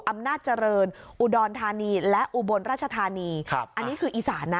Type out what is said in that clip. อำนาจเจริญอุดรธานีและอุบลราชธานีครับอันนี้คืออีสานนะ